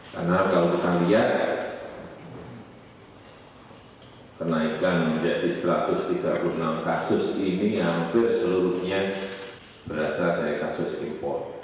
karena kalau kita lihat kenaikan menjadi satu ratus tiga puluh enam kasus ini hampir seluruhnya berasal dari kasus impor